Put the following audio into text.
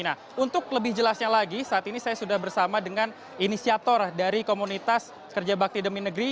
nah untuk lebih jelasnya lagi saat ini saya sudah bersama dengan inisiator dari komunitas kerja bakti demi negeri